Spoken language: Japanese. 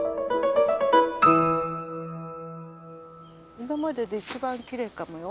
今までで一番きれいかもよ。